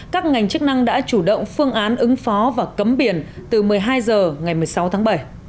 các ngành chức năng đã chủ động phương án ứng phó và cấm biển từ một mươi hai h ngày một mươi sáu tháng bảy